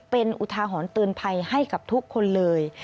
เป็นอุทาหรณ์เตือนภัยให้กับทุกคนเลย